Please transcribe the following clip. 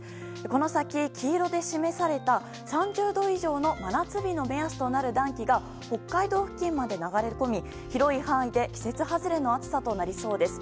この先、黄色で示された３０度以上の真夏日の目安となる暖気が北海道付近まで流れ込み広い範囲で季節外れの暑さとなりそうです。